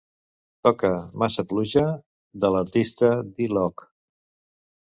Toca "Massa Pluja" de l'artista D-Loc.